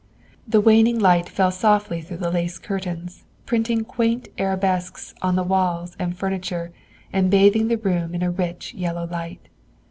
The waning light fell softly through the lace curtains, printing quaint arabesques on the walls and furniture and bathing the room in a rich yellow light.